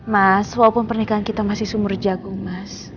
mas walaupun pernikahan kita masih sumur jagung mas